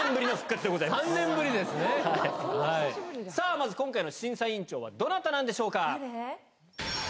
まず今回の審査委員長はどなたなんでしょうか？